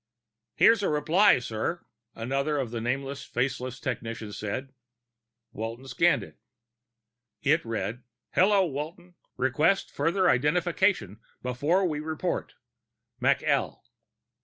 "Here's a reply, sir," another of the nameless, faceless technicians said. Walton scanned it. It read, _Hello Walton. Request further identification before we report. McL.